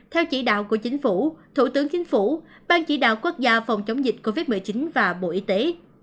theo chỉ đạo của chính phủ thủ tướng chính phủ ban chỉ đạo quốc gia phòng chống dịch covid một mươi chín và bộ y tế